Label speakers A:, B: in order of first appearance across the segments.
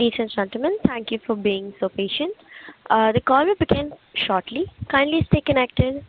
A: Ladies and gentlemen, thank you for being so patient. The call will begin shortly. Kindly stay connected.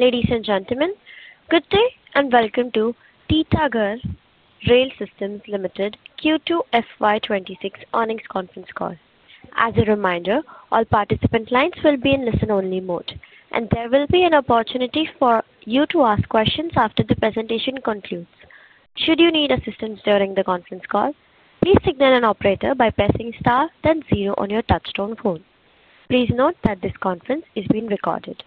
A: Ladies and gentlemen, good day and welcome to Titagarh Rail Systems Limited Q2 FY26 earnings conference call. As a reminder, all participant lines will be in listen-only mode, and there will be an opportunity for you to ask questions after the presentation concludes. Should you need assistance during the conference call, please signal an operator by pressing star then zero on your touchstone phone. Please note that this conference is being recorded.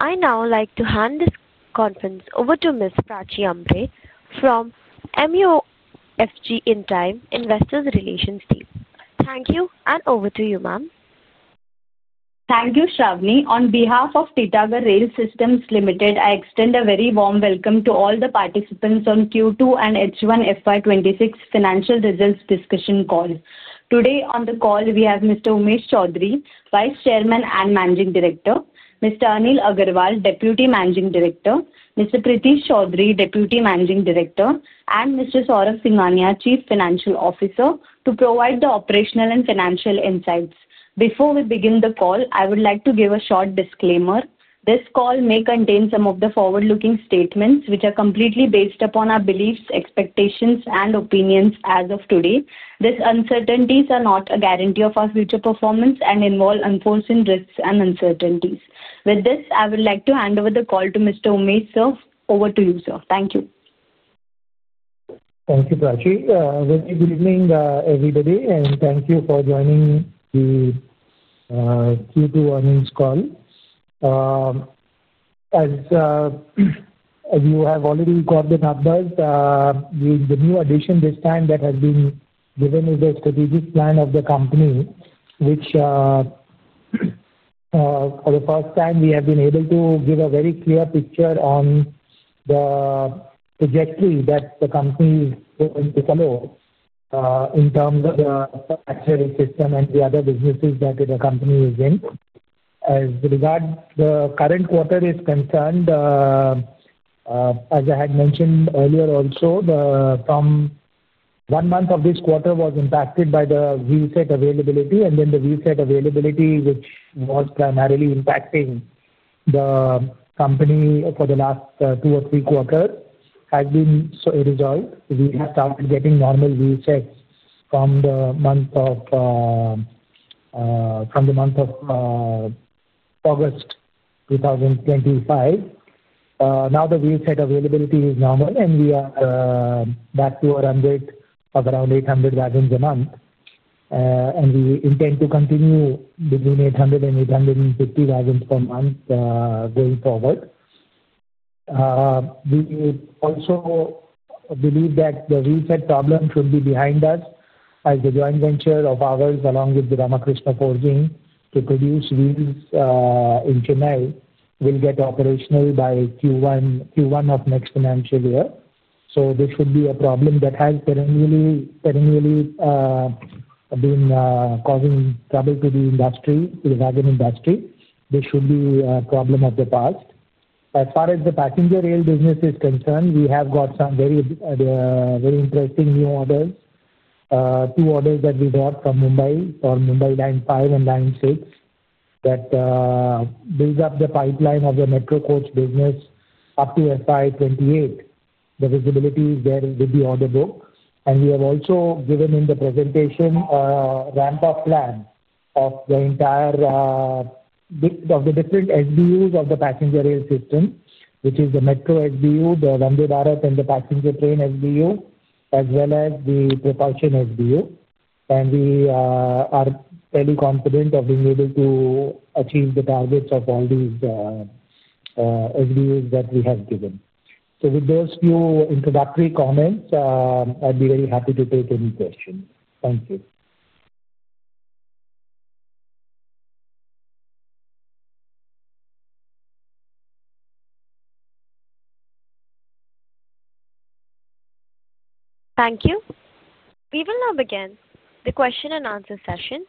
A: I now like to hand this conference over to Ms. Prachi Ambre from MUFG Intime, Investors Relations Team. Thank you, and over to you, ma'am.
B: Thank you, Shravani. On behalf of Titagarh Rail Systems Limited, I extend a very warm welcome to all the participants on Q2 and H1 FY26 financial results discussion call. Today on the call, we have Mr. Umesh Chaudhary, Vice Chairman and Managing Director; Mr. Anil Agarwal, Deputy Managing Director; Mr. Pratish Chaudhary, Deputy Managing Director; and Mr. Saurav Singhania, Chief Financial Officer, to provide the operational and financial insights. Before we begin the call, I would like to give a short disclaimer. This call may contain some of the forward-looking statements, which are completely based upon our beliefs, expectations, and opinions as of today. These uncertainties are not a guarantee of our future performance and involve unforeseen risks and uncertainties. With this, I would like to hand over the call to Mr. Umesh. Sir, over to you, sir. Thank you.
C: Thank you, Prachi. Very good evening, everybody, and thank you for joining the Q2 earnings call. As you have already got the numbers, the new addition this time that has been given is the strategic plan of the company, which, for the first time, we have been able to give a very clear picture on the trajectory that the company is going to follow, in terms of the acceleration system and the other businesses that the company is in. As regards the current quarter is concerned, as I had mentioned earlier also, one month of this quarter was impacted by the wheelset availability, and then the wheelset availability, which was primarily impacting the company for the last two or three quarters, has been resolved. We have started getting normal wheelsets from the month of August 2025. Now the wheelset availability is normal, and we are back to around 800 wagons a month, and we intend to continue between 800 and 850 wagons per month going forward. We also believe that the wheelset problem should be behind us, as the joint venture of ours, along with Ramkrishna Forgings, to produce wheels in Chennai, will get operational by Q1, Q1 of next financial year. This would be a problem that has perennially been causing trouble to the industry, to the wagon industry. This should be a problem of the past. As far as the passenger rail business is concerned, we have got some very, very interesting new orders, two orders that we got from Mumbai for Mumbai Line 5 and Line 6 that build up the pipeline of the Metro Coach business up to FY 2028. The visibility is there with the order book, and we have also given in the presentation a ramp-up plan of the entire, of the different SBUs of the passenger rail system, which is the Metro SBU, the Vande Bharat and the passenger train SBU, as well as the propulsion SBU. We are fairly confident of being able to achieve the targets of all these SBUs that we have given. With those few introductory comments, I'd be very happy to take any questions. Thank you.
A: Thank you. We will now begin the question and answer session.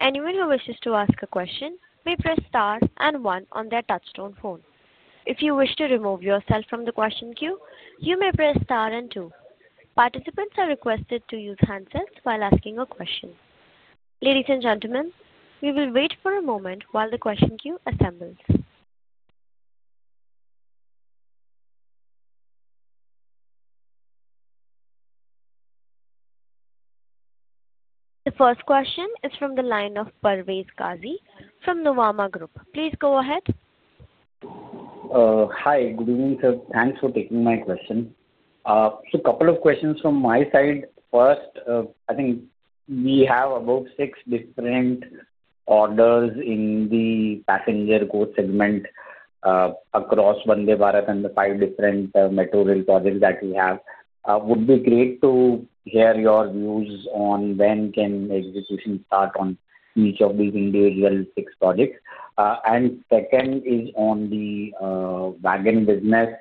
A: Anyone who wishes to ask a question may press star and one on their touchstone phone. If you wish to remove yourself from the question queue, you may press star and two. Participants are requested to use handsets while asking a question. Ladies and gentlemen, we will wait for a moment while the question queue assembles. The first question is from the line of Parvez Qazi from Nuvama Group. Please go ahead.
D: Hi, good evening, sir. Thanks for taking my question. So a couple of questions from my side. First, I think we have about six different orders in the passenger coach segment, across Vande Bharat and the five different MetroRail projects that we have. Would be great to hear your views on when can execution start on each of these individual six projects. And second is on the wagon business.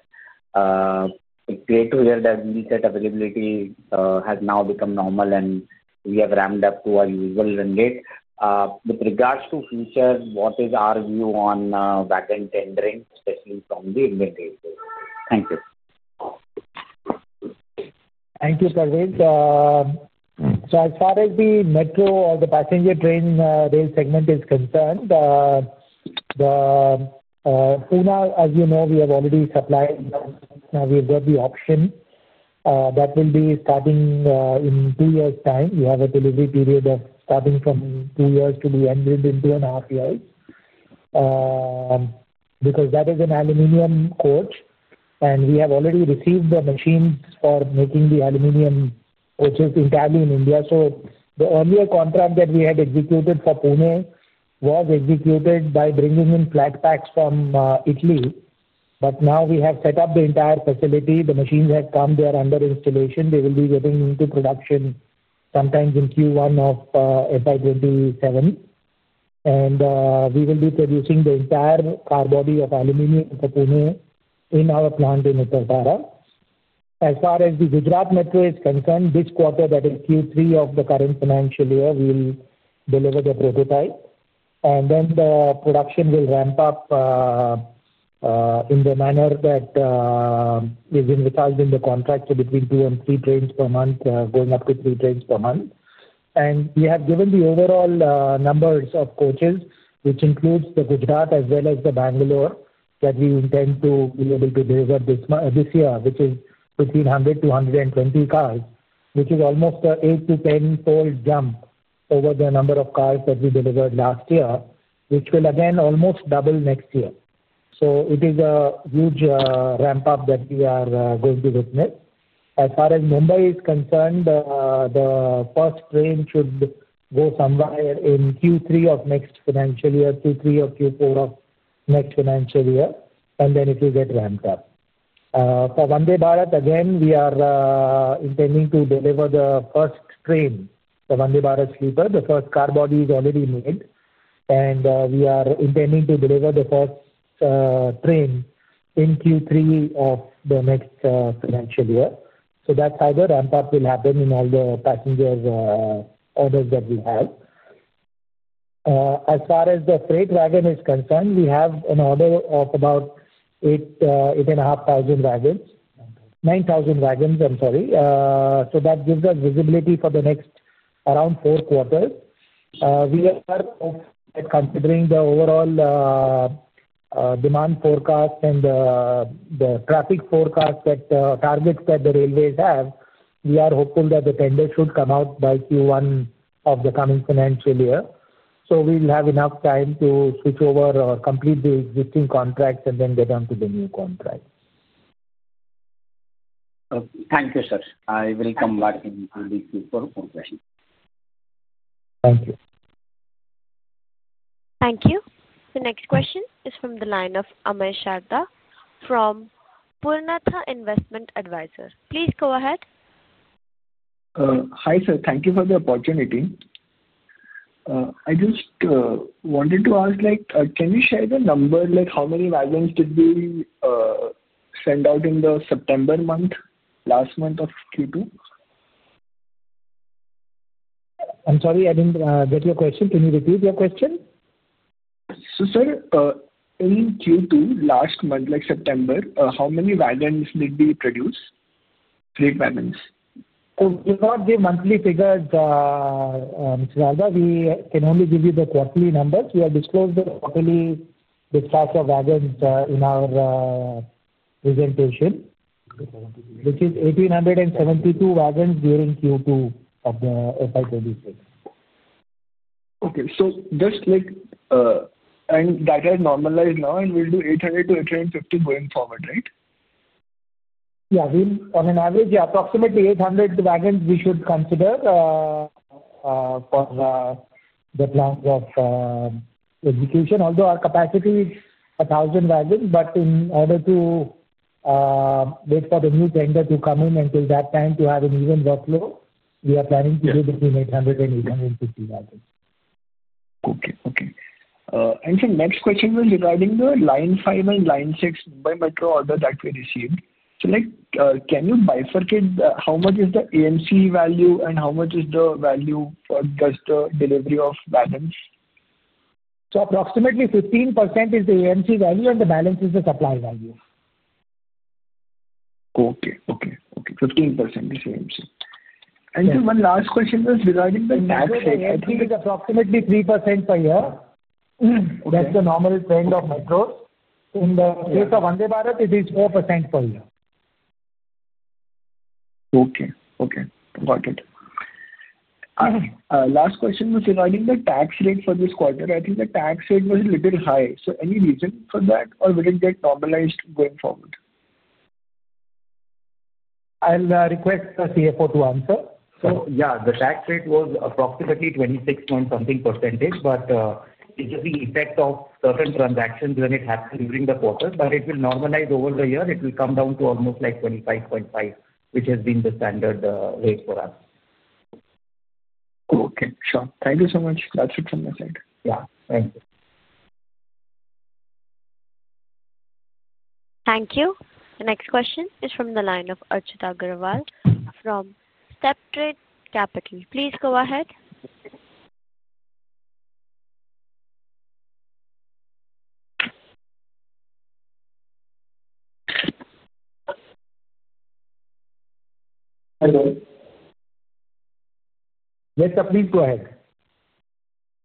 D: It's great to hear that wheelset availability has now become normal, and we have ramped up to our usual mandate. With regards to features, what is our view on wagon tendering, especially from the inventory? Thank you.
C: Thank you, Parvez. As far as the metro or the passenger train, rail segment is concerned, the Pune, as you know, we have already supplied. Now we've got the option, that will be starting in two years' time. We have a delivery period of starting from two years to be ended in two and a half years, because that is an aluminum coach. We have already received the machines for making the aluminum coaches entirely in India. The earlier contract that we had executed for Pune was executed by bringing in flat packs from Italy. Now we have set up the entire facility. The machines have come, they are under installation. They will be getting into production sometime in Q1 of FY 2027. We will be producing the entire car body of aluminum for Pune in our plant in Uttar Thara. As far as the Gujarat Metro is concerned, this quarter, that is Q3 of the current financial year, we'll deliver the prototype. Then the production will ramp up, in the manner that is in the chart in the contract, so between two and three trains per month, going up to three trains per month. We have given the overall numbers of coaches, which includes the Gujarat as well as the Bangalore, that we intend to be able to deliver this year, which is between 100-120 cars, which is almost an 8-10-fold jump over the number of cars that we delivered last year, which will again almost double next year. It is a huge ramp-up that we are going to witness. As far as Mumbai is concerned, the first train should go somewhere in Q3 of next financial year, Q3 or Q4 of next financial year, and then it will get ramped up. For Vande Bharat, again, we are intending to deliver the first train, the Vande Bharat sleeper. The first car body is already made, and we are intending to deliver the first train in Q3 of the next financial year. That ramp-up will happen in all the passenger orders that we have. As far as the freight wagon is concerned, we have an order of about 8,000-8,500 wagons, 9,000 wagons, I'm sorry. That gives us visibility for the next around four quarters. We are considering the overall demand forecast and the traffic forecast that targets that the railways have. We are hopeful that the tenders should come out by Q1 of the coming financial year. We will have enough time to switch over or complete the existing contracts and then get on to the new contracts.
D: Okay. Thank you, sir. I will come back to this for more questions.
C: Thank you.
A: Thank you. The next question is from the line of Amay Sharda from Purnartha Investment Advisors. Please go ahead.
E: Hi sir. Thank you for the opportunity. I just wanted to ask, like, can you share the number, like, how many wagons did we send out in the September month, last month of Q2?
C: I'm sorry, I didn't get your question. Can you repeat your question?
E: Sir, in Q2, last month, like September, how many wagons did we produce, freight wagons?
C: We've got the monthly figures, Mr. Sharda. We can only give you the quarterly numbers. We have disclosed the quarterly dispatch of wagons in our presentation, which is 1,872 wagons during Q2 of the FY 2026.
E: Okay. Just like, and that has normalized now, and we'll do 800-850 going forward, right?
C: Yeah. On an average, yeah, approximately 800 wagons we should consider, for the plans of execution. Although our capacity is 1,000 wagons, but in order to wait for the new tender to come in, until that time to have an even workload, we are planning to do between 800 and 850 wagons.
E: Okay. Okay. The next question was regarding the Line 5 and Line 6 Mumbai Metro order that we received. Like, can you bifurcate how much is the AMC value and how much is the value for just the delivery of wagons?
C: Approximately 15% is the AMC value, and the balance is the supply value.
E: Okay. Okay. Okay. 15% is AMC. And sir, one last question was regarding the net rate.
C: Net rate, I think it's approximately 3% per year. That's the normal trend of Metros. In the case of Vande Bharat, it is 4% per year.
E: Okay. Okay. Got it. Last question was regarding the tax rate for this quarter. I think the tax rate was a little high. Any reason for that, or will it get normalized going forward?
C: I'll request the CFO to answer.
F: So, yeah, the tax rate was approximately 26% something percentage, but it's just the effect of certain transactions when it happened during the quarter. But it will normalize over the year. It will come down to almost like 25.5%, which has been the standard rate for us.
E: Okay. Sure. Thank you so much. That's it from my side.
F: Yeah. Thank you.
A: Thank you. The next question is from the line of Archit Agrawal from Steptrade Capital. Please go ahead.
C: Hello. Yes, sir. Please go ahead.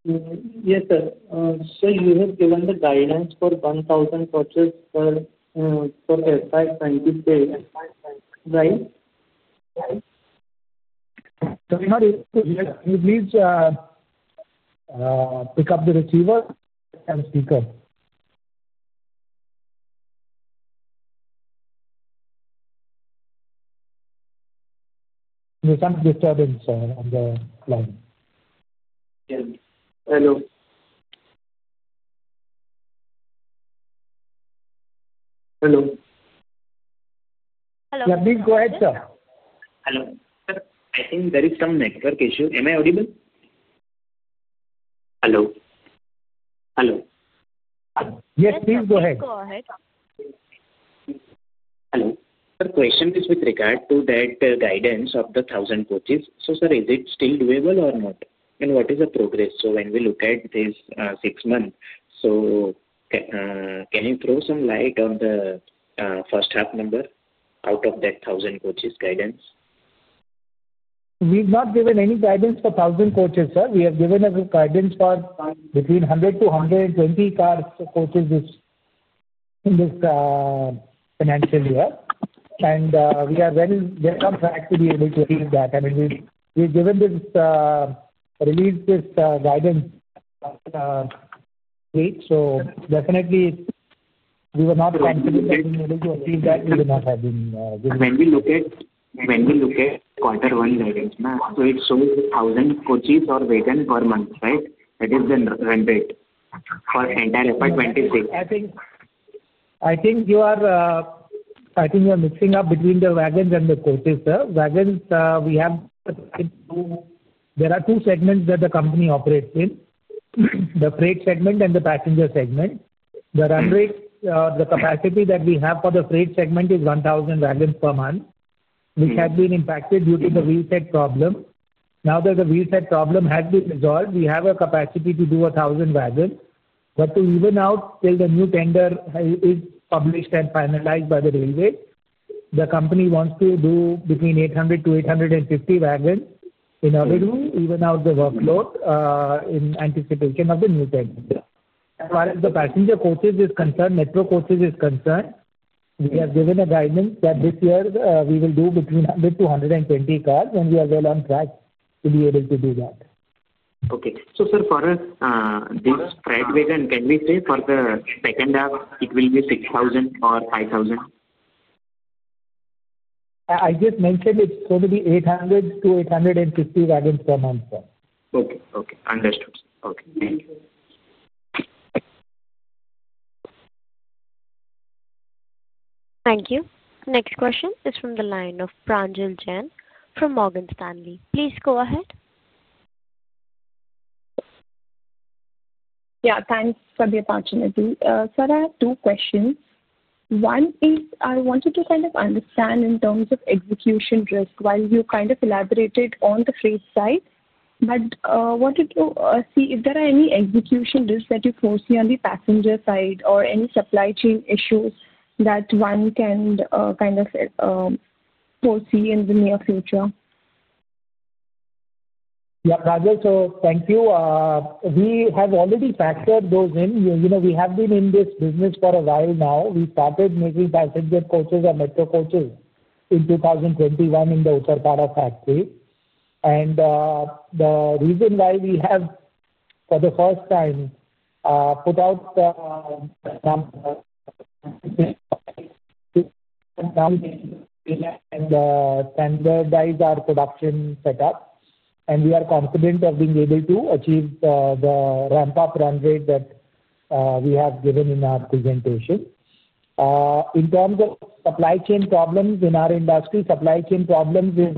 G: Yes, sir. Sir, you have given the guidelines for 1,000 coaches per FI 26, right?
C: Sorry, sir, please pick up the receiver and speaker. There's some disturbance on the line.
G: Yes. Hello. Hello.
A: Hello.
C: Yeah, please go ahead, sir.
G: Hello. Sir, I think there is some network issue. Am I audible? Hello. Hello.
C: Yes, please go ahead.
A: Please go ahead.
G: Hello. Sir, question is with regard to that, guidance of the 1,000 coaches. Sir, is it still doable or not? What is the progress? When we look at this, six months, can you throw some light on the first half number out of that 1,000 coaches guidance?
C: We've not given any guidance for 1,000 coaches, sir. We have given a guidance for between 100-120 cars of coaches in this financial year. I mean, we are very welcome to actually be able to achieve that. We've given this, released this guidance, week. We were not considered as being able to achieve that. We would not have been given.
G: When we look at, when we look at quarter one guidance, ma'am, so it shows 1,000 coaches or wagons per month, right? That is the run rate for entire FY 2026.
C: I think you are mixing up between the wagons and the coaches, sir. Wagons, we have two, there are two segments that the company operates in: the freight segment and the passenger segment. The run rate, the capacity that we have for the freight segment is 1,000 wagons per month, which has been impacted due to the wheelset problem. Now that the wheelset problem has been resolved, we have a capacity to do 1,000 wagons. To even out till the new tender is published and finalized by the railway, the company wants to do between 800-850 wagons in order to even out the workload, in anticipation of the new tender. As far as the passenger coaches is concerned, metro coaches is concerned, we have given a guidance that this year, we will do between 100-120 cars, and we are well on track to be able to do that.
G: Okay. So, sir, for this freight wagon, can we say for the second half, it will be 6,000 or 5,000?
C: I just mentioned it's going to be 800-850 wagons per month, sir.
G: Okay. Okay. Understood. Okay. Thank you.
A: Thank you. The next question is from the line of Pranjal Jain from Morgan Stanley. Please go ahead.
H: Yeah. Thanks for the opportunity. Sir, I have two questions. One is I wanted to kind of understand in terms of execution risk while you kind of elaborated on the freight side. I wanted to see if there are any execution risks that you foresee on the passenger side or any supply chain issues that one can kind of foresee in the near future.
C: Yeah, Pranjal, so thank you. We have already factored those in. You know, we have been in this business for a while now. We started making passenger coaches and metro coaches in 2021 in the Uttar Thara factory. The reason why we have, for the first time, put out the standardized our production setup, and we are confident of being able to achieve the ramp-up run rate that we have given in our presentation. In terms of supply chain problems in our industry, supply chain problems is,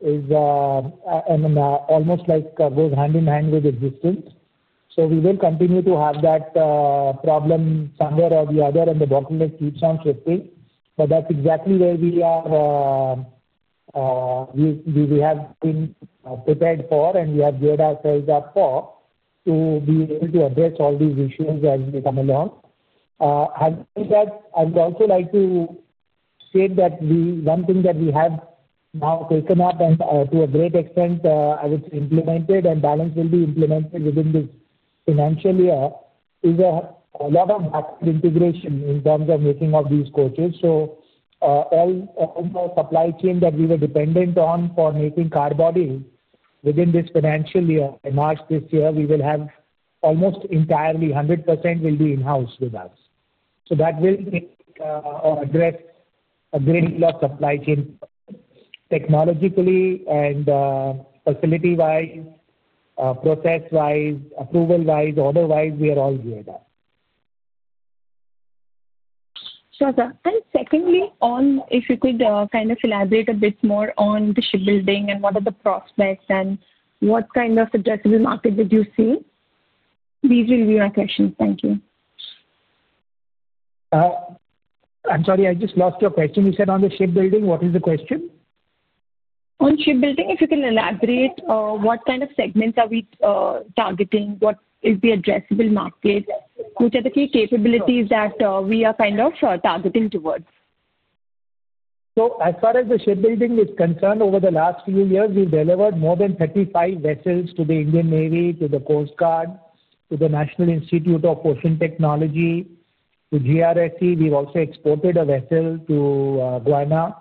C: is, and almost like goes hand in hand with existence. We will continue to have that problem somewhere or the other, and the bottleneck keeps on shifting. That is exactly where we are, we have been prepared for, and we have geared ourselves up for to be able to address all these issues as we come along. Having said that, I would also like to state that one thing that we have now taken up and, to a great extent, I would say implemented and the balance will be implemented within this financial year is a lot of backward integration in terms of making of these coaches. All the supply chain that we were dependent on for making car bodies, within this financial year and March this year, we will have almost entirely 100% will be in-house with us. That will take, or address, a great deal of supply chain technologically and, facility-wise, process-wise, approval-wise, order-wise, we are all geared up.
H: Sure, sir. Secondly, if you could kind of elaborate a bit more on the shipbuilding and what are the prospects and what kind of addressable market would you see? These will be my questions. Thank you.
C: I'm sorry, I just lost your question. You said on the shipbuilding, what is the question?
H: On shipbuilding, if you can elaborate, what kind of segments are we targeting? What is the addressable market? Which are the key capabilities that we are kind of targeting towards?
C: As far as the shipbuilding is concerned, over the last few years, we've delivered more than 35 vessels to the Indian Navy, to the Coast Guard, to the National Institute of Ocean Technology, to GRSE. We've also exported a vessel to Ghana.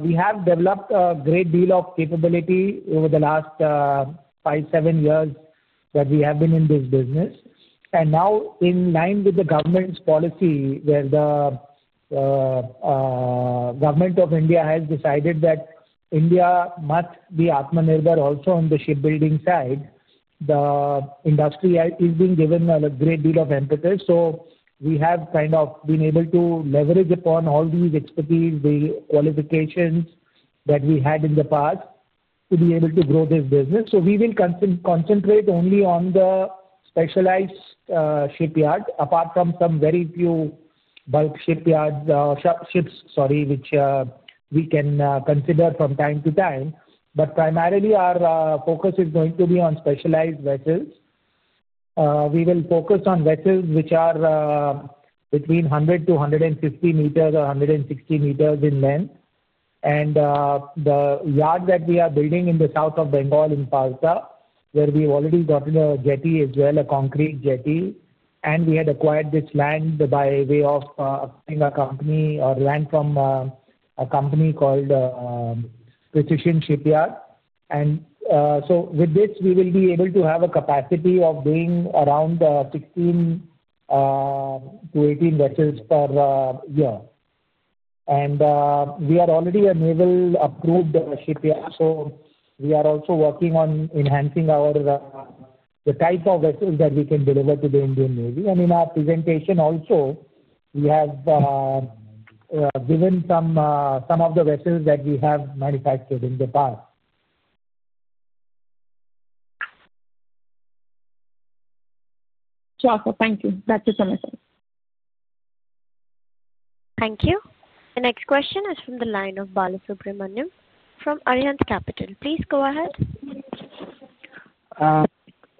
C: We have developed a great deal of capability over the last five, seven years that we have been in this business. Now, in line with the government's policy, where the government of India has decided that India must be atmanirbar also on the shipbuilding side, the industry is being given a great deal of emphasis. We have kind of been able to leverage upon all these expertise, the qualifications that we had in the past, to be able to grow this business. We will concentrate only on the specialized shipyard, apart from some very few bulk shipyards, ships, sorry, which we can consider from time to time. Primarily, our focus is going to be on specialized vessels. We will focus on vessels which are between 100-150 meters or 160 meters in length. The yard that we are building in the south of Bengal in Palsa, where we've already gotten a jetty as well, a concrete jetty, and we had acquired this land by way of acquiring a company or land from a company called Precision Shipyard. With this, we will be able to have a capacity of being around 16-18 vessels per year. We are already a Naval-approved shipyard, so we are also working on enhancing the type of vessels that we can deliver to the Indian Navy. In our presentation also, we have given some of the vessels that we have manufactured in the past.
H: Sure. Thank you. That's it from my side.
A: Thank you. The next question is from the line of Balasubramanian from Arihant Capital. Please go ahead.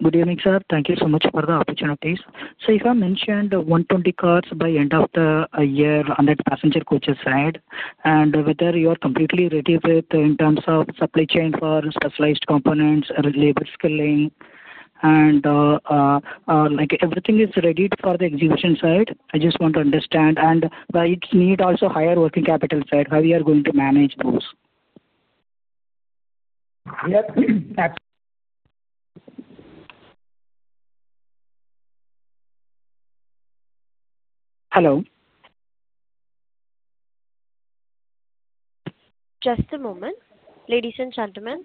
I: Good evening, sir. Thank you so much for the opportunities. If I mentioned 120 cars by end of the year, 100 passenger coaches side, and whether you are completely ready with in terms of supply chain for specialized components, labor skilling, and, like, everything is readied for the exhibition side, I just want to understand. It needs also higher working capital side, how you are going to manage those?
C: Yes.
I: Hello.
A: Just a moment. Ladies and gentlemen,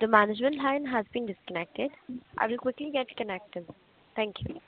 A: the management line has been disconnected. I will quickly get connected. Thank you.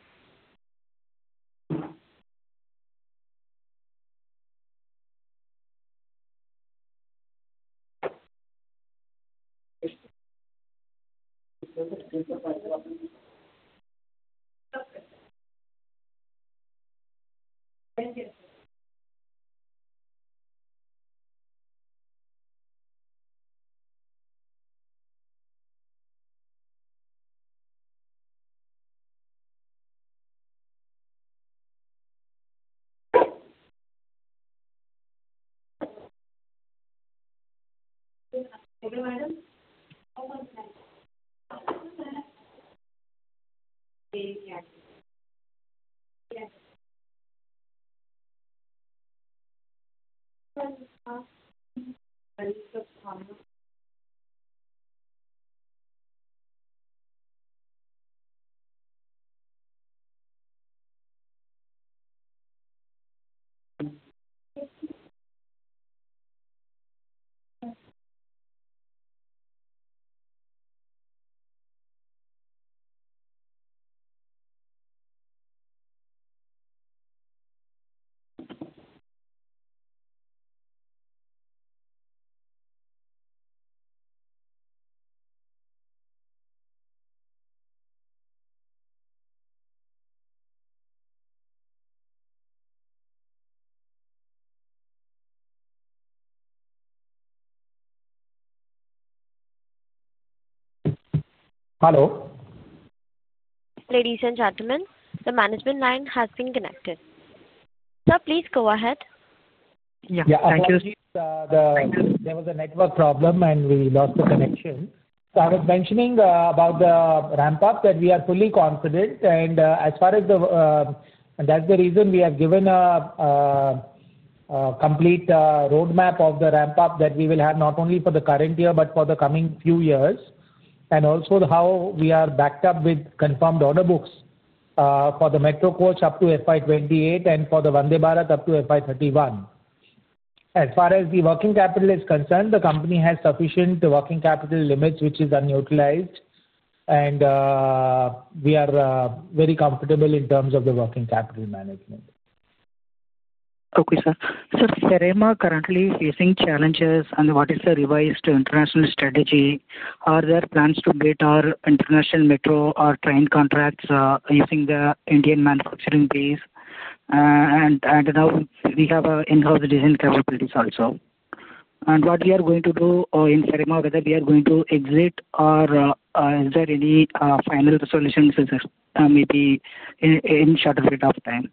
I: Hello?
A: Ladies and gentlemen, the management line has been connected. Sir, please go ahead.
I: Yeah. Thank you.
C: Yeah. Please, there was a network problem, and we lost the connection. I was mentioning about the ramp-up that we are fully confident. As far as the, and that's the reason we have given a complete road map of the ramp-up that we will have not only for the current year but for the coming few years, and also how we are backed up with confirmed order books for the metro coach up to FY 2028 and for the Vande Bharat up to FY 2031. As far as the working capital is concerned, the company has sufficient working capital limits, which is unutilized. We are very comfortable in terms of the working capital management.
I: Okay, sir. Sir, Ferema currently facing challenges on what is the revised international strategy. Are there plans to update our international metro or train contracts, using the Indian manufacturing base? And, and now we have our in-house design capabilities also. And what we are going to do, in Ferema, whether we are going to exit or, is there any, final resolutions as, maybe in, in a shorter period of time?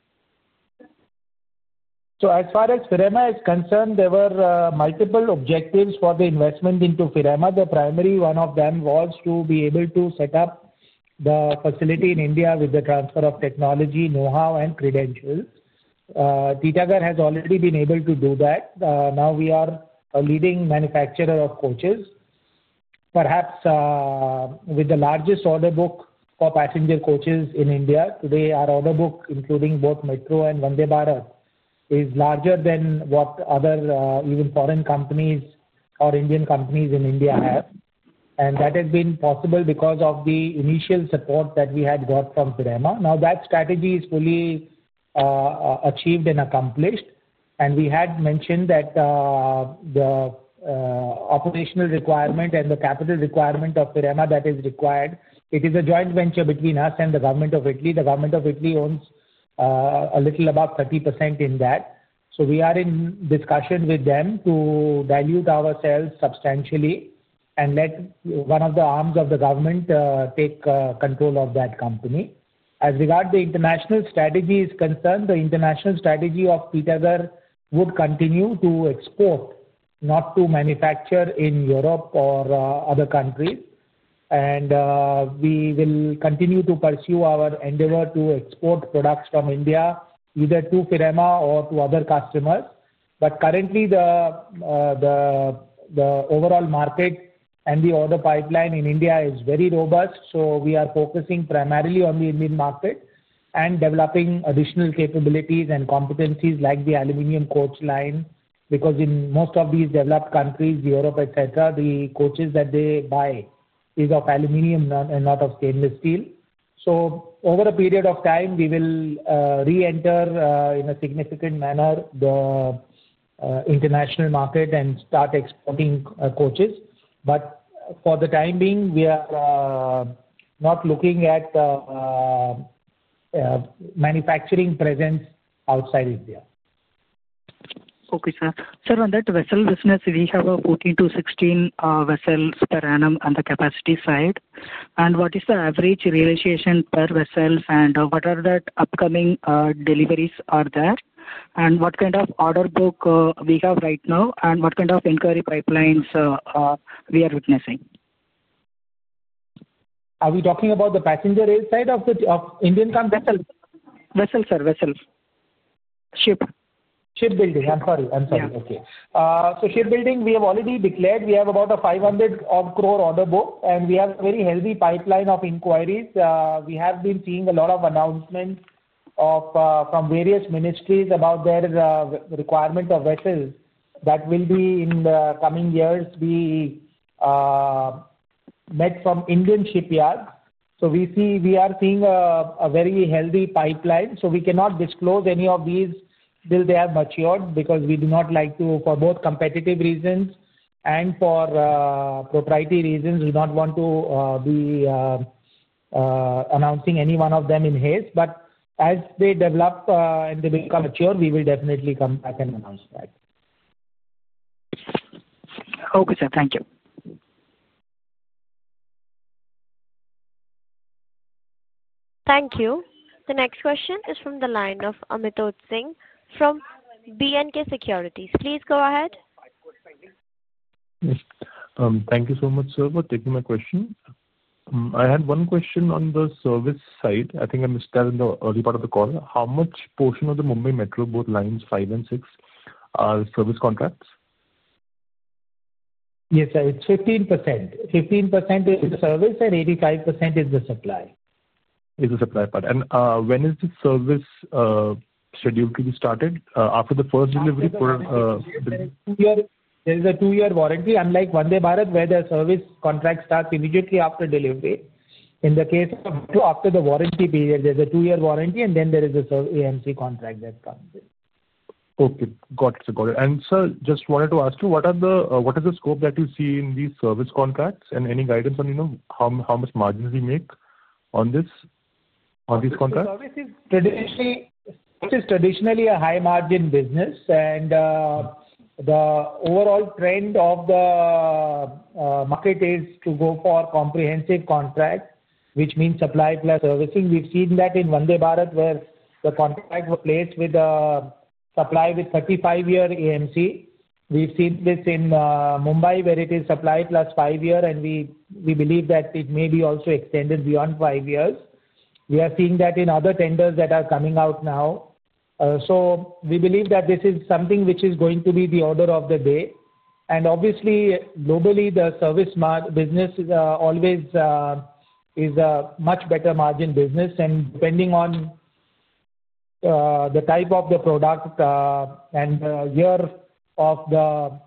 C: As far as Ferema is concerned, there were multiple objectives for the investment into Ferema. The primary one of them was to be able to set up the facility in India with the transfer of technology, know-how, and credentials. Titagarh has already been able to do that. Now we are a leading manufacturer of coaches, perhaps, with the largest order book for passenger coaches in India. Today, our order book, including both Metro and Vande Bharat, is larger than what other, even foreign companies or Indian companies in India have. That has been possible because of the initial support that we had got from Ferema. That strategy is fully achieved and accomplished. We had mentioned that the operational requirement and the capital requirement of Ferema that is required, it is a joint venture between us and the government of Italy. The government of Italy owns a little above 30% in that. We are in discussion with them to dilute ourselves substantially and let one of the arms of the government take control of that company. As regard the international strategy is concerned, the international strategy of Titagarh would continue to export, not to manufacture in Europe or other countries. We will continue to pursue our endeavor to export products from India, either to Ferema or to other customers. Currently, the overall market and the order pipeline in India is very robust. We are focusing primarily on the Indian market and developing additional capabilities and competencies like the aluminum coach line, because in most of these developed countries, Europe, etc., the coaches that they buy are of aluminum and not of stainless steel. Over a period of time, we will re-enter in a significant manner the international market and start exporting coaches. For the time being, we are not looking at manufacturing presence outside India.
I: Okay, sir. Sir, on that vessel business, we have a 14-16 vessels per annum on the capacity side. What is the average realization per vessel? What are the upcoming deliveries on that? What kind of order book do we have right now? What kind of inquiry pipelines are we witnessing?
C: Are we talking about the passenger side of the of Indian company?
I: Vessel, sir. Vessel. Ship.
C: Shipbuilding. I'm sorry. Okay.
I: Yes.
C: Shipbuilding, we have already declared we have about an 500 crore order book, and we have a very heavy pipeline of inquiries. We have been seeing a lot of announcements from various ministries about their requirement of vessels that will be in the coming years. We met from Indian shipyards. We are seeing a very healthy pipeline. We cannot disclose any of these till they are matured because we do not like to, for both competitive reasons and for proprietary reasons, we do not want to be announcing any one of them in haste. As they develop and they become mature, we will definitely come back and announce that.
I: Okay, sir. Thank you.
A: Thank you. The next question is from the line of Amitoj Singh from B&K Securities. Please go ahead.
J: Thank you so much, sir, for taking my question. I had one question on the service side. I think I missed that in the early part of the call. How much portion of the Mumbai Metro, both Lines 5 and 6, are service contracts?
C: Yes, sir. It's 15%. 15% is the service, and 85% is the supply.
J: Is the supply part. When is the service scheduled to be started? After the first delivery for the?
C: There is a two-year warranty, unlike Vande Bharat, where the service contract starts immediately after delivery. In the case of after the warranty period, there's a two-year warranty, and then there is an AMC contract that comes in.
J: Okay. Got it. Got it. Sir, just wanted to ask you, what is the scope that you see in these service contracts? Any guidance on, you know, how much margins we make on these contracts?
C: Service is traditionally a high-margin business. The overall trend of the market is to go for comprehensive contracts, which means supply plus servicing. We've seen that in Vande Bharat, where the contract was placed with a supply with 35-year AMC. We've seen this in Mumbai, where it is supply plus five year, and we believe that it may be also extended beyond five years. We are seeing that in other tenders that are coming out now. We believe that this is something which is going to be the order of the day. Obviously, globally, the service business always is a much better margin business. Depending on the type of the product and year of the,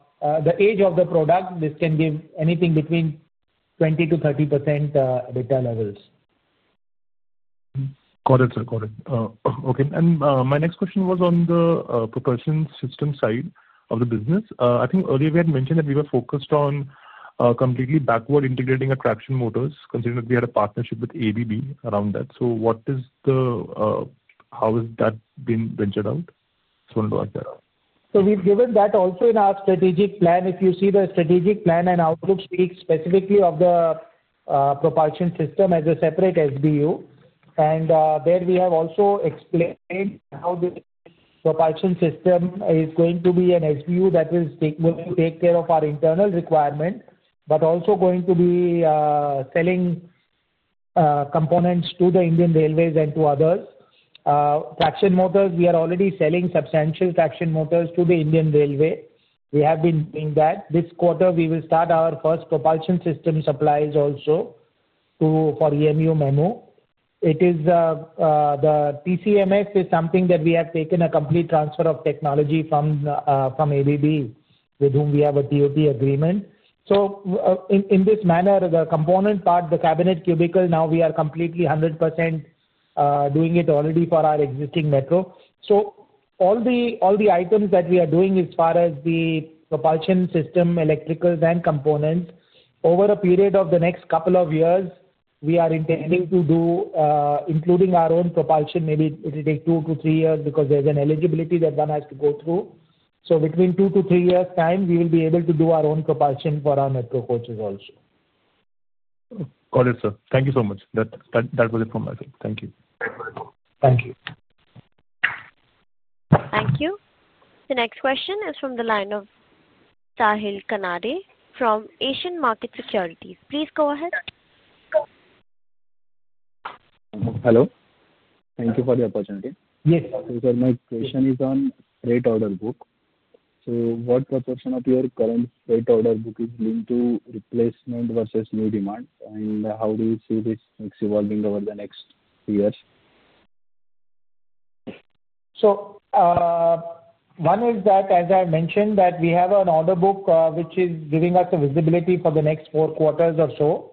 C: the age of the product, this can give anything between 20-30% EBITDA levels.
J: Got it, sir. Got it. Okay. My next question was on the propulsion system side of the business. I think earlier we had mentioned that we were focused on completely backward integrating traction motors, considering that we had a partnership with ABB around that. What is the, how has that been ventured out? Just wanted to ask that.
C: We have given that also in our strategic plan. If you see the strategic plan and outlook, it speaks specifically of the propulsion system as a separate SBU. There we have also explained how this propulsion system is going to be an SBU that will take care of our internal requirement, but also is going to be selling components to Indian Railways and to others. Traction motors, we are already selling substantial traction motors to Indian Railways. We have been doing that. This quarter, we will start our first propulsion system supplies also for EMU Memo. The TCMS is something that we have taken a complete transfer of technology from ABB, with whom we have a ToT agreement. In this manner, the component part, the cabinet cubicle, now we are completely 100% doing it already for our existing metro. All the items that we are doing as far as the propulsion system, electricals, and components, over a period of the next couple of years, we are intending to do, including our own propulsion. Maybe it will take two to three years because there is an eligibility that one has to go through. Between two to three years' time, we will be able to do our own propulsion for our metro coaches also.
J: Got it, sir. Thank you so much. That was it from my side. Thank you.
C: Thank you.
A: Thank you. The next question is from the line of Sahil Kanade from Asian Market Securities. Please go ahead.
K: Hello. Thank you for the opportunity.
C: Yes, sir.
K: Sir, my question is on freight order book. What proportion of your current freight order book is linked to replacement versus new demand? How do you see this evolving over the next few years?
C: One is that, as I mentioned, we have an order book, which is giving us a visibility for the next four quarters or so.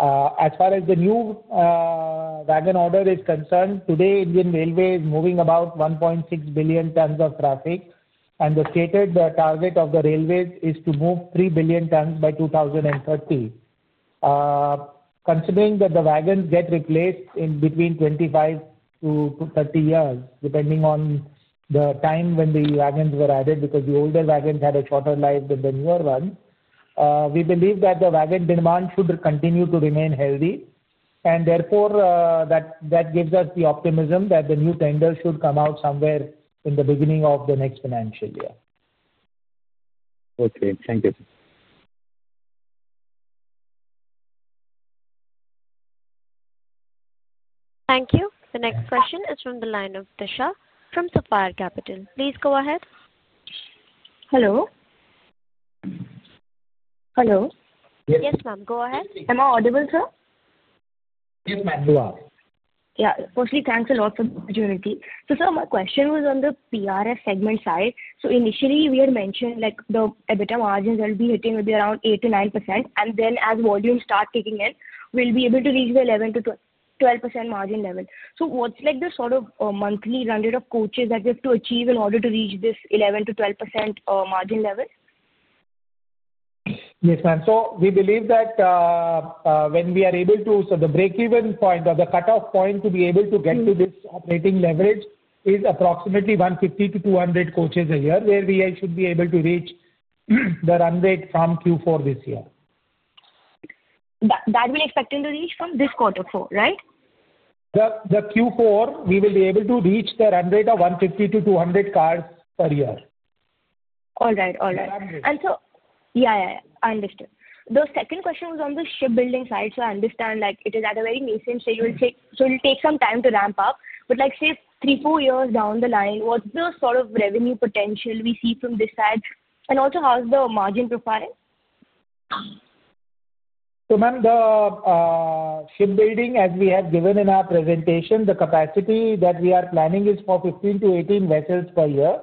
C: As far as the new wagon order is concerned, today, Indian Railways is moving about 1.6 billion tons of traffic. The stated target of the railways is to move 3 billion tons by 2030. Considering that the wagons get replaced in between 25-30 years, depending on the time when the wagons were added, because the older wagons had a shorter life than the newer ones, we believe that the wagon demand should continue to remain healthy. Therefore, that gives us the optimism that the new tenders should come out somewhere in the beginning of the next financial year.
K: Okay. Thank you.
A: Thank you. The next question is from the line of Tisha from Sapphire Capital. Please go ahead.
L: Hello. Hello.
A: Yes, ma'am. Go ahead.
L: Am I audible, sir?
C: Yes, ma'am. You are.
L: Yeah. Firstly, thanks a lot for the opportunity. Sir, my question was on the PRF segment side. Initially, we had mentioned, like, the EBITDA margins that we will be hitting will be around 8-9%. As volumes start kicking in, we will be able to reach the 11-12% margin level. What is, like, the sort of monthly run rate of coaches that we have to achieve in order to reach this 11-12% margin level?
C: Yes, ma'am. We believe that, when we are able to, the break-even point or the cutoff point to be able to get to this operating leverage is approximately 150-200 coaches a year, where we should be able to reach the run rate from Q4 this year.
L: That we're expecting to reach from this quarter four, right?
C: The Q4, we will be able to reach the run rate of 150-200 cars per year.
L: All right. Yeah, I understood. The second question was on the shipbuilding side. I understand, like, it is at a very nascent stage. It will take some time to ramp up. Like, say, three-four years down the line, what's the sort of revenue potential we see from this side? Also, how's the margin profile?
C: Ma'am, the shipbuilding, as we have given in our presentation, the capacity that we are planning is for 15-18 vessels per year.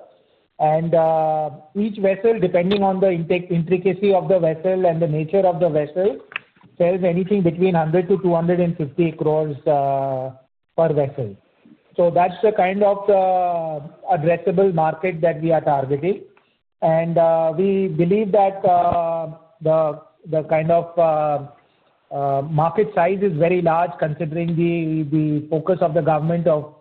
C: Each vessel, depending on the intricacy of the vessel and the nature of the vessel, sells anything between 100 crore-250 crore per vessel. That's the kind of addressable market that we are targeting. We believe that the market size is very large, considering the focus of the government of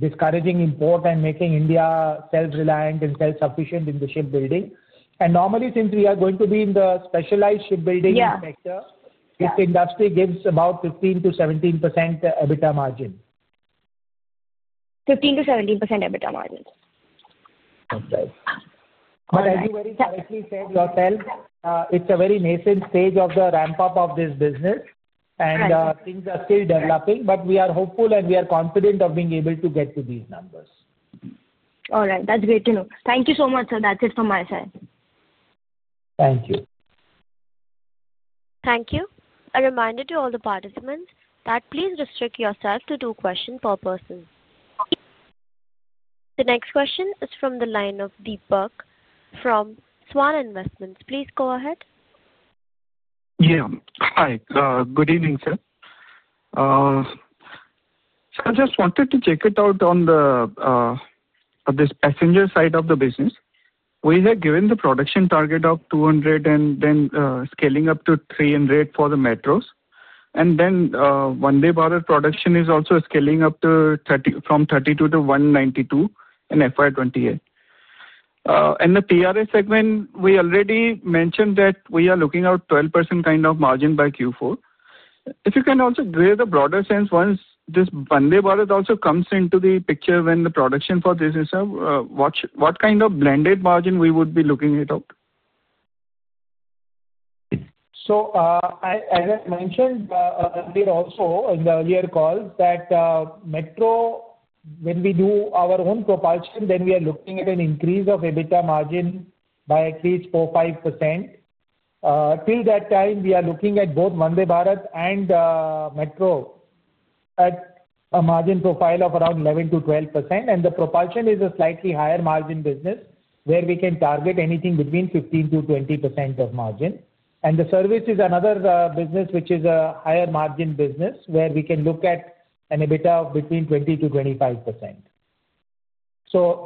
C: discouraging import and making India self-reliant and self-sufficient in shipbuilding. Normally, since we are going to be in the specialized shipbuilding sector.
L: Yeah.
C: This industry gives about 15-17% EBITDA margin.
L: 15%-17% EBITDA margin.
C: That's right. As you very correctly said yourself, it's a very nascent stage of the ramp-up of this business. Things are still developing. We are hopeful, and we are confident of being able to get to these numbers.
L: All right. That's great to know. Thank you so much, sir. That's it from my side.
C: Thank you.
A: Thank you. A reminder to all the participants that please restrict yourself to two questions per person. The next question is from the line of Deepak from Svan Investments. Please go ahead.
M: Yeah. Hi. Good evening, sir. Sir, I just wanted to check it out on the, on this passenger side of the business. We have given the production target of 200 and then, scaling up to 300 for the Metros. And then, Vande Bharat production is also scaling up to 30 from 32 to 192 in FY2028. And the PRF segment, we already mentioned that we are looking at 12% kind of margin by Q4. If you can also give the broader sense, once this Vande Bharat also comes into the picture when the production for this is, what, what kind of blended margin we would be looking at out?
C: So, as I mentioned earlier also in the earlier calls, Metro, when we do our own propulsion, then we are looking at an increase of EBITDA margin by at least 4-5%. Till that time, we are looking at both Vande Bharat and Metro at a margin profile of around 11-12%. The propulsion is a slightly higher margin business, where we can target anything between 15-20% of margin. The service is another business which is a higher margin business, where we can look at an EBITDA of between 20-25%.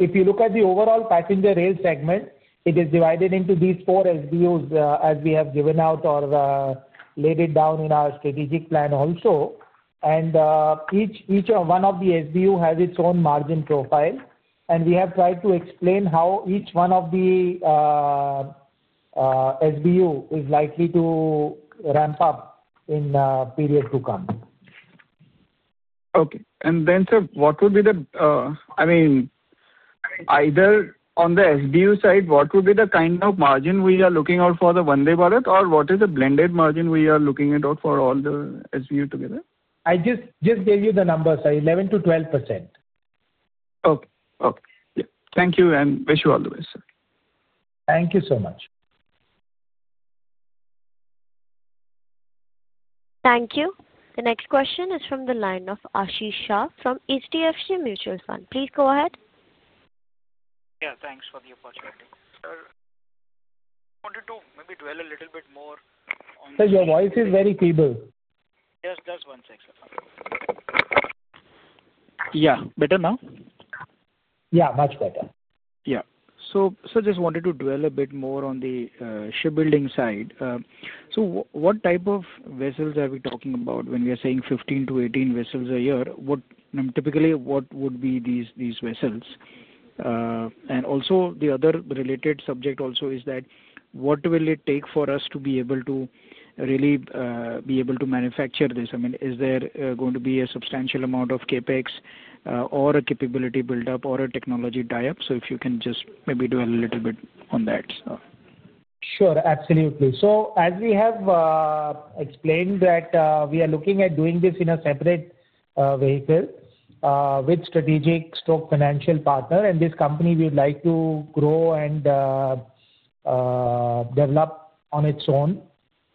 C: If you look at the overall passenger rail segment, it is divided into these four SBUs, as we have given out or laid it down in our strategic plan also. Each one of the SBU has its own margin profile. We have tried to explain how each one of the SBU is likely to ramp up in the period to come.
M: Okay. And then, sir, what would be the, I mean, either on the SBU side, what would be the kind of margin we are looking out for the Vande Bharat, or what is the blended margin we are looking at out for all the SBU together?
C: I just, just gave you the number, sir. 11-12%.
M: Okay. Okay. Yeah. Thank you and wish you all the best, sir.
C: Thank you so much.
A: Thank you. The next question is from the line of Ashish Shah from HDFC Mutual Fund. Please go ahead.
N: Yeah. Thanks for the opportunity, sir. Wanted to maybe dwell a little bit more on.
C: Sir, your voice is very feeble.
N: Yes, just one second. Yeah. Better now?
C: Yeah. Much better.
N: Yeah. Sir, just wanted to dwell a bit more on the shipbuilding side. What type of vessels are we talking about when we are saying 15-18 vessels a year? Typically, what would be these vessels? Also, the other related subject is that what will it take for us to be able to really be able to manufacture this? I mean, is there going to be a substantial amount of CapEx, or a capability buildup or a technology tie-up? If you can just maybe dwell a little bit on that, sir.
C: Sure. Absolutely. As we have explained, we are looking at doing this in a separate vehicle with a strategic stroke financial partner. This company we would like to grow and develop on its own.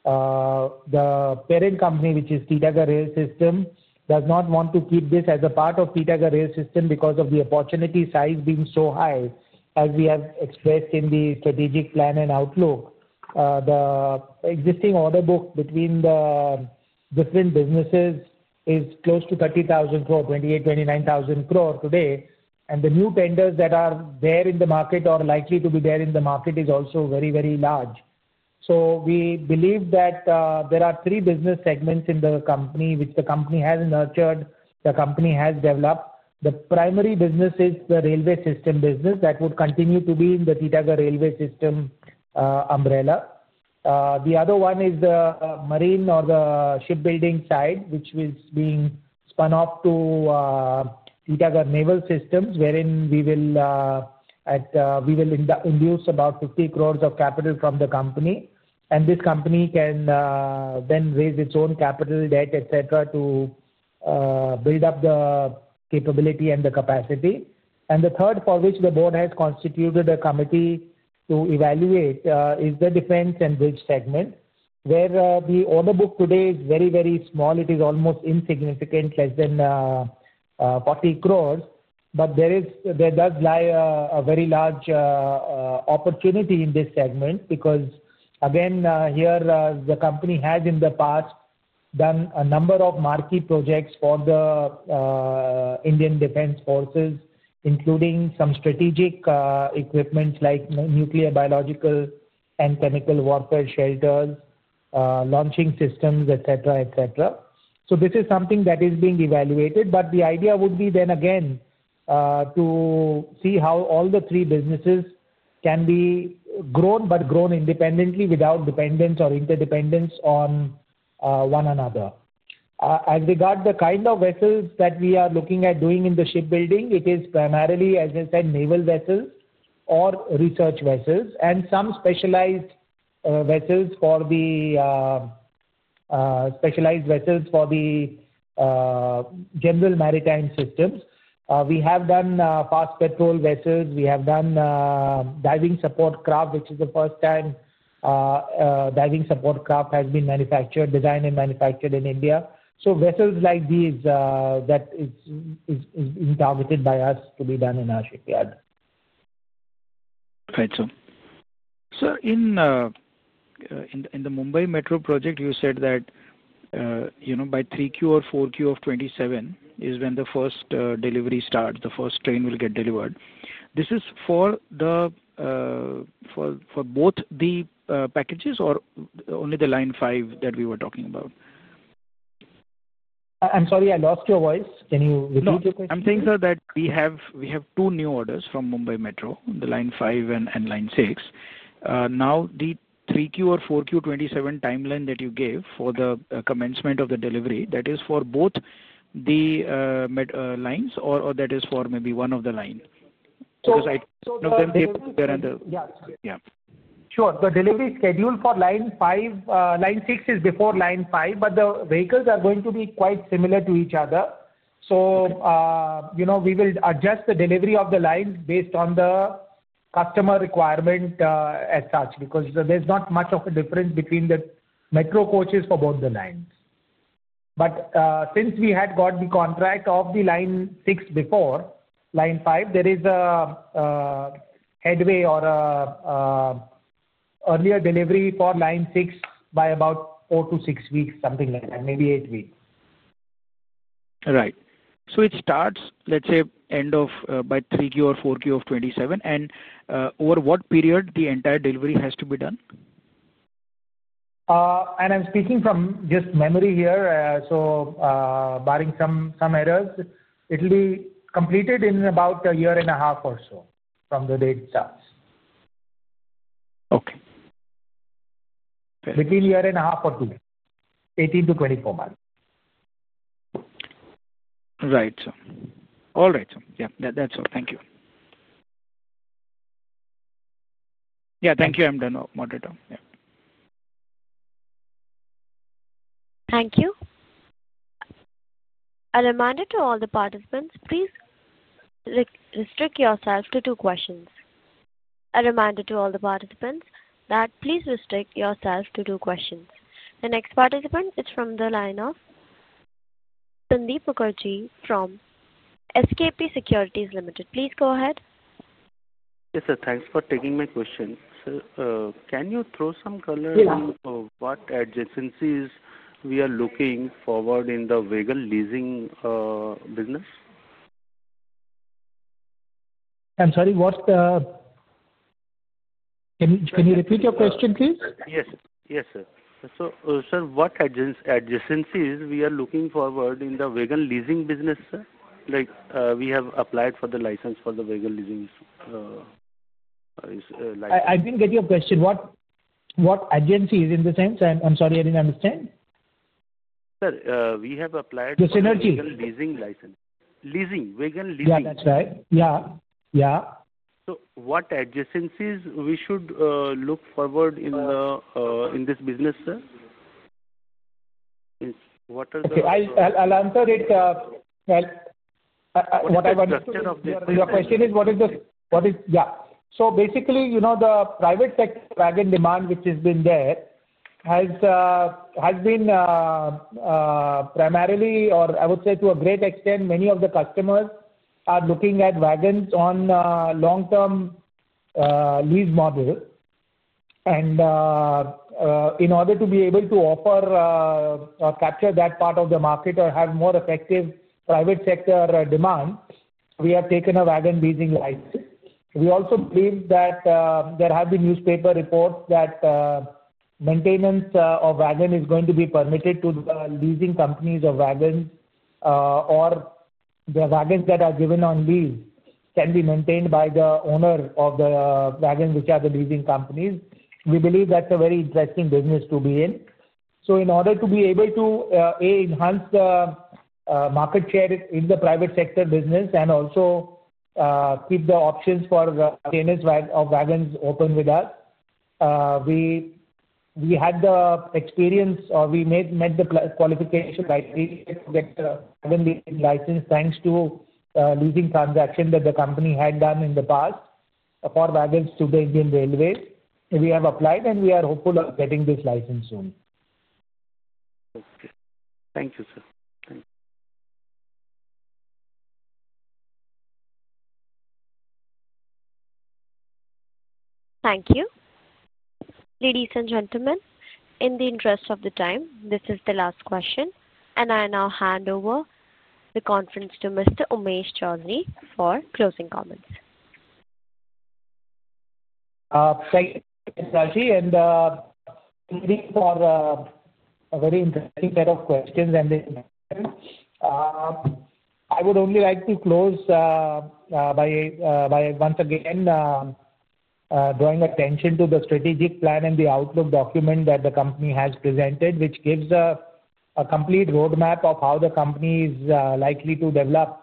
C: The parent company, which is Titagarh Rail Systems, does not want to keep this as a part of Titagarh Rail Systems because of the opportunity size being so high, as we have expressed in the strategic plan and outlook. The existing order book between the different businesses is close to 30,000 crore, 28,000-29,000 crore today. The new tenders that are there in the market or likely to be there in the market is also very, very large. We believe that there are three business segments in the company which the company has nurtured, the company has developed. The primary business is the railway system business that would continue to be in the Titagarh Rail Systems umbrella. The other one is the marine or the shipbuilding side, which is being spun off to Titagarh Naval Systems, wherein we will, at, we will induce about 50 crore of capital from the company. This company can then raise its own capital, debt, etc., to build up the capability and the capacity. The third, for which the board has constituted a committee to evaluate, is the defense and bridge segment, where the order book today is very, very small. It is almost insignificant, less than 40 crore. There does lie a very large opportunity in this segment because, again, here, the company has in the past done a number of marquee projects for the Indian Defense Forces, including some strategic equipment like nuclear biological and chemical warfare shelters, launching systems, etc., etc. This is something that is being evaluated. The idea would be then again to see how all the three businesses can be grown but grown independently without dependence or interdependence on one another. As regard the kind of vessels that we are looking at doing in the shipbuilding, it is primarily, as I said, naval vessels or research vessels and some specialized vessels for the general maritime systems. We have done fast patrol vessels. We have done diving support craft, which is the first time diving support craft has been designed and manufactured in India. Vessels like these, that is, is being targeted by us to be done in our shipyard.
N: Right, sir. Sir, in the Mumbai Metro project, you said that, you know, by 3Q or 4Q of 2027 is when the first delivery starts, the first train will get delivered. This is for both the packages or only the Line 5 that we were talking about?
C: I'm sorry. I lost your voice. Can you repeat your question?
N: I'm saying, sir, that we have two new orders from Mumbai Metro, the line five and line six. Now, the 3Q or 4Q 2027 timeline that you gave for the commencement of the delivery, that is for both the metro lines or that is for maybe one of the lines? Because I know that they were under—yeah.
C: Sure. The delivery schedule for line five, line six is before line five. But the vehicles are going to be quite similar to each other. So, you know, we will adjust the delivery of the line based on the customer requirement, as such because there's not much of a difference between the metro coaches for both the lines. But, since we had got the contract of the line six before line five, there is a headway or a, earlier delivery for line six by about four- to six weeks, something like that, maybe eight weeks.
N: Right. It starts, let's say, end of, by 3Q or 4Q of 2027. And, over what period the entire delivery has to be done?
C: and I'm speaking from just memory here, so, barring some errors, it'll be completed in about a year and a half or so from the date it starts.
N: Okay.
C: Between a year and a half or two, 18-24 months.
N: Right, sir. All right, sir. Yeah. That's all. Thank you.
C: Yeah. Thank you. More details. Yeah.
A: Thank you. A reminder to all the participants, please restrict yourself to two questions. The next participant is from the line of Sandeep Mukherjee from SKP Securities Limited. Please go ahead.
O: Yes, sir. Thanks for taking my question. Sir, can you throw some color on.
C: Yeah.
O: What adjacencies are we looking forward to in the wagon leasing business?
C: I'm sorry. What's the—can you repeat your question, please?
O: Yes. Yes, sir. Sir, what adjacencies are we looking forward to in the wagon leasing business, sir? Like, we have applied for the license for the wagon leasing license.
C: I didn't get your question. What adjacencies in the sense? I'm sorry. I didn't understand.
O: Sir, we have applied for the wagon leasing license.
C: The synergy.
O: Leasing. Wagon leasing.
C: Yeah. That's right. Yeah.
O: What adjacencies should we look forward in this business, sir? What are the—
C: Okay. I'll answer it, what I wanted to— your question is, what is the— what is—yeah. Basically, you know, the private sector wagon demand which has been there has, has been, primarily, or I would say to a great extent, many of the customers are looking at wagons on long-term lease model. In order to be able to offer or capture that part of the market or have more effective private sector demand, we have taken a wagon leasing license. We also believe that there have been newspaper reports that maintenance of wagon is going to be permitted to the leasing companies of wagons, or the wagons that are given on lease can be maintained by the owner of the wagons, which are the leasing companies. We believe that's a very interesting business to be in. In order to be able to, enhance the market share in the private sector business and also keep the options for the retainers of wagons open with us, we had the experience or we met the qualification criteria to get the wagon leasing license thanks to a leasing transaction that the company had done in the past for wagons to Indian Railways. We have applied, and we are hopeful of getting this license soon.
O: Okay. Thank you, sir. Thank you.
A: Thank you. Ladies and gentlemen, in the interest of the time, this is the last question. I now hand over the conference to Mr. Umesh Chowdhary for closing comments.
C: Thank you, Mr. Chowdhary. Thank you for a very interesting set of questions and the information. I would only like to close by once again drawing attention to the strategic plan and the outlook document that the company has presented, which gives a complete roadmap of how the company is likely to develop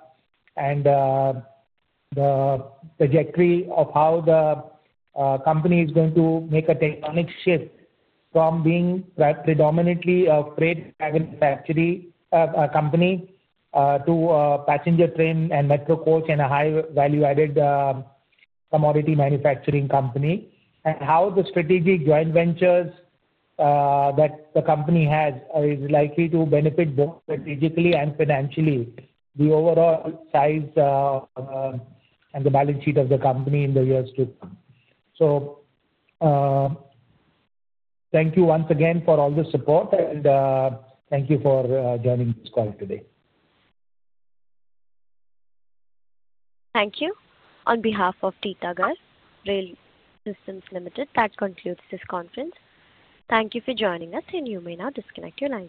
C: and the trajectory of how the company is going to make a tectonic shift from being predominantly a freight wagon company to a passenger train and metro coach and a high-value-added commodity manufacturing company, and how the strategic joint ventures that the company has are likely to benefit both strategically and financially the overall size and the balance sheet of the company in the years to come. Thank you once again for all the support, and thank you for joining this call today.
A: Thank you. On behalf of Titagarh Rail Systems Limited, that concludes this conference. Thank you for joining us, and you may now disconnect your line.